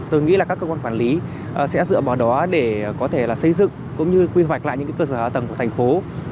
tôi nghĩ là các cơ quan quản lý sẽ dựa vào đó để có thể là xây dựng cũng như quy hoạch lại những cơ sở hạ tầng của thành phố